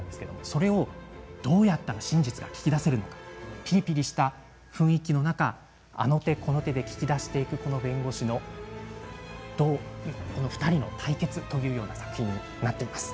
それを、どうやったら真実が引き出せるかピリピリした雰囲気の中あの手この手で聞き出していく弁護士の２人の対決という作品です。